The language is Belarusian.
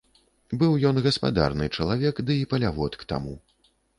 Быў ён гаспадарны чалавек ды і палявод к таму.